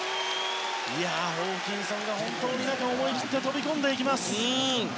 ホーキンソンが本当に思い切って飛び込んでいきます。